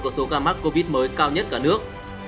có số ca mắc covid mới cao nhất cả nước